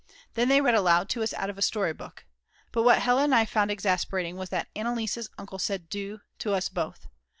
Then they read aloud to us out of a story book. But what Hella and I found exasperating was that Anneliese's uncle said "Du" to us both.